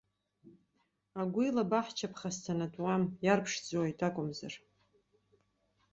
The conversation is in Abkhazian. Агәил абаҳча ԥхасҭанатәуам, иарԥшӡоит акәымзар!